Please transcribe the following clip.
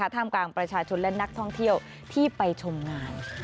ท่ามกลางประชาชนและนักท่องเที่ยวที่ไปชมงาน